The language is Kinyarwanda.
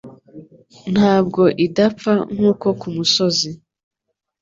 ntabwo idapfa nkuko kumusozo